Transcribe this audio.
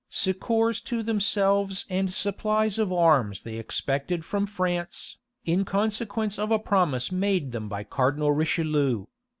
Succors to themselves and supplies of arms they expected from France, in consequence of a promise made them by Cardinal Richelieu.